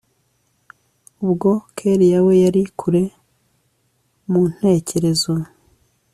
ubwo kellia we yari kure muntekerezo